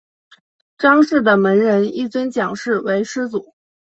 章氏的门人亦尊蒋氏为师祖。